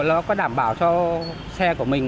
nó có đảm bảo cho xe của mình